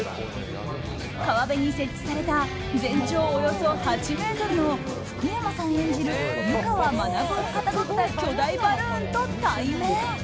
川辺に設置された全長およそ８ｍの福山さん演じる湯川学をかたどった巨大バルーンと対面。